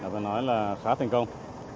và nói là khá thành công